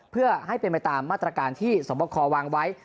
เพื่อให้เป็นไปตามมาตรการที่สวบคอวางไว้